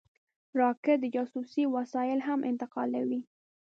راکټ د جاسوسۍ وسایل هم انتقالوي